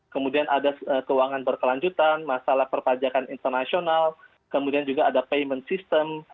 kemudian ada keuangan berkelanjutan masalah perpajakan internasional kemudian juga ada payment system